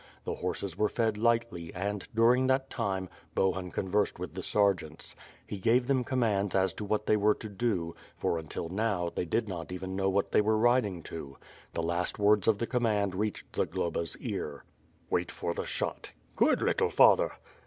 The horses were fed lightly and, during that time, Bohun conversed with the sergeants. He gave them commands as to what they were to do, for until now, they did not even know where they were riding to. The last words of the command reached Zagloba's ear. "Wait for the shot." "Good! little father!"